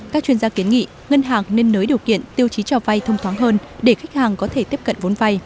các chuyên gia kiến nghị ngân hàng nên nới điều kiện tiêu chí cho vay thông thoáng hơn để khách hàng có thể tiếp cận vốn vay